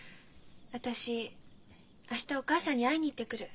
私明日お母さんに会いに行ってくる。